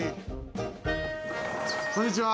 こんにちは。